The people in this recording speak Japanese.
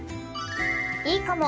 いいかも！